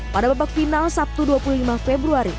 pada babak final sabtu dua puluh lima februari